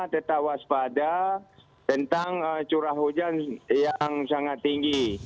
tetap waspada tentang curah hujan yang sangat tinggi